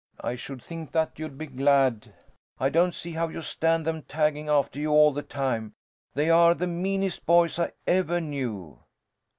I should think that you'd be glad. I don't see how you stand them tagging after you all the time. They are the meanest boys I ever knew."